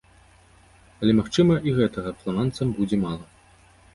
Але, магчыма, і гэтага фламандцам будзе мала.